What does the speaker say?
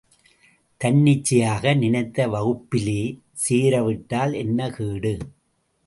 தன்னிச்சையாக, நினைத்த வகுப்பிலே சேரவிட்டால் என்ன கேடு?